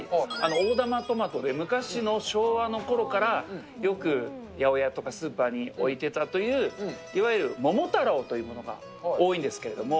大玉トマトで、昔の昭和のころからよく八百屋とかスーパーに置いてたという、いわゆる桃太郎というものが多いんですけれども。